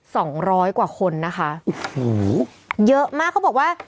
สองร้อยกว่าคนนะคะโอ้โหเยอะมากเขาบอกว่า